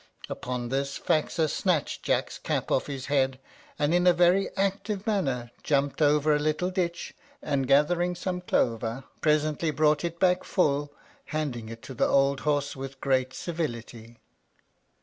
Upon this Faxa snatched Jack's cap off his head, and in a very active manner jumped over a little ditch, and gathering some clover, presently brought it back full, handing it to the old horse with great civility.